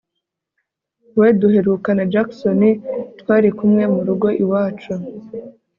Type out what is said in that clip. Ubwo duherukana Jackson twari kumwe mu rugo iwacu